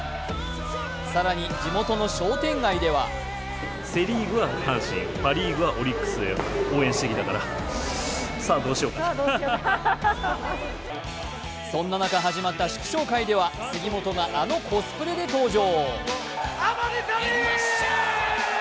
更に、地元の商店街ではそんな中、始まった祝勝会では杉本があのコスプレで登場。